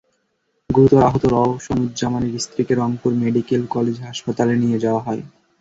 গুরুতর আহত রওশনুজ্জামানের স্ত্রীকে রংপুর মেডিকেল কলেজ হাসপাতালে নিয়ে যাওয়া হয়।